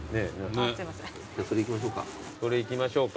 じゃあそれいきましょうか。